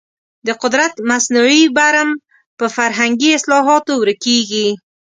د قدرت مصنوعي برم په فرهنګي اصلاحاتو ورکېږي.